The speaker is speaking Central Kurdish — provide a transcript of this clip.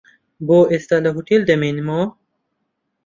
بۆ ئێستا لە هۆتێل دەمێنمەوە.